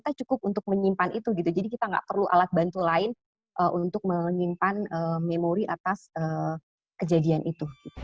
kita cukup untuk menyimpan itu gitu jadi kita nggak perlu alat bantu lain untuk menyimpan memori atas kejadian itu